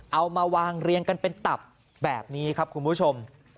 เอามาวางเรียงกันเป็นตับแบบนี้ครับคุณผู้ชม